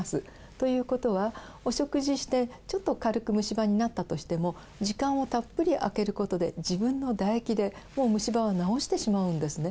ということはお食事してちょっと軽く虫歯になったとしても時間をたっぷりあけることで自分の唾液でもう虫歯を治してしまうんですね。